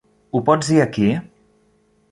Ho pots dir aquí?